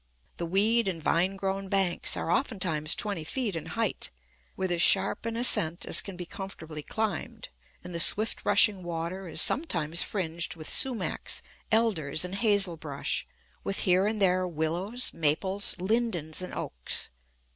The weed and vine grown banks are oftentimes twenty feet in height, with as sharp an ascent as can be comfortably climbed; and the swift rushing water is sometimes fringed with sumachs, elders, and hazel brush, with here and there willows, maples, lindens, and oaks.